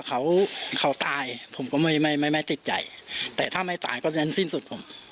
ถ้าเขาตายพ่อก็ไม่ติดใจแต่ถ้าไม่ตายก็ยันสิ้นสุด